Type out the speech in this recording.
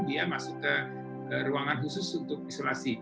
dia masuk ke ruangan khusus untuk isolasi